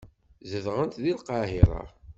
Zedɣent deg Lqahira.